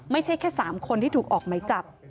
ไม่ใช่แค่๓คนที่ถูกออกไหมจับ